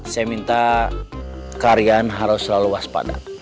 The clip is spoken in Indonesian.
saya minta kalian harus selalu waspada